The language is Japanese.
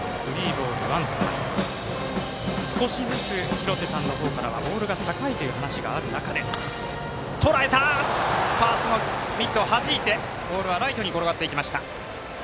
廣瀬さんの方からボールが高いという話がある中でとらえたファーストのミットをはじいてボールはライトに転がっていきました。